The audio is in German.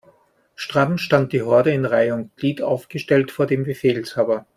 Stramm stand die Horde in Reih' und Glied aufgestellt vor dem Befehlshaber.